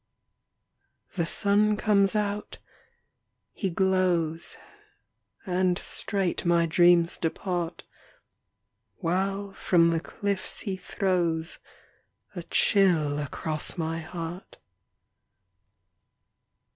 The sun comes out; he glows. And straight my dreams depart, While from the cliffs he throws A chill across my heart.